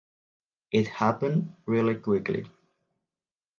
It happened really quickly.